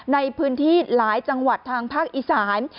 ในพื้นที่หลายจังหวัดทางภาคอีสาน